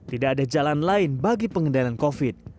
tidak ada jalan lain bagi pengendalian covid sembilan belas